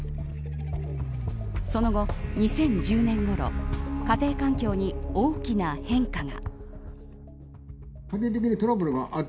その後、２０１０年ごろ家庭環境に大きな変化が。